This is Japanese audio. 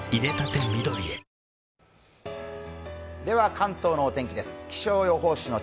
関東のお天気です。